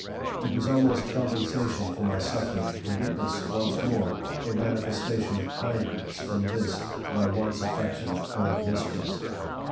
It was almost compensation for my suffering to witness, once more, a manifestation of kindness from this, my once affectionate old mistress.